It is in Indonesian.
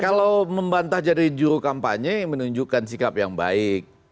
kalau membantah jadi juru kampanye menunjukkan sikap yang baik